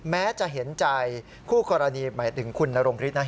แม้จะเห็นใจคู่กรณีหมายถึงคุณนรงฤทธิ